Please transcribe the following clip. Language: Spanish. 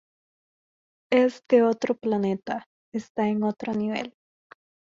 Es de otro planeta, está en otro nivel.